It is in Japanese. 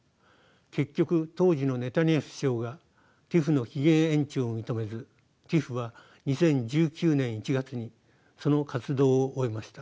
結局当時のネタニヤフ首相がＴＩＰＨの期限延長を認めずＴＩＰＨは２０１９年１月にその活動を終えました。